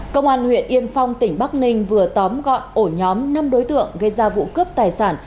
công an huyện yên phong tỉnh bắc ninh vừa tóm gọn ổ nhóm năm đối tượng gây ra vụ cướp tài sản